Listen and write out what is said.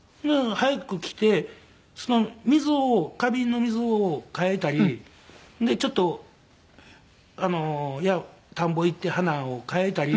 早く来て水を花瓶の水を替えたりちょっと田んぼ行って花を替えたり。